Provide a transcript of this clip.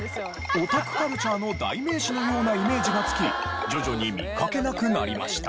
オタクカルチャーの代名詞のようなイメージが付き徐々に見かけなくなりました。